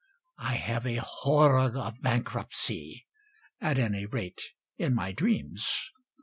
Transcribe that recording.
I have a horror of bankruptcy, At any rate in my dreams.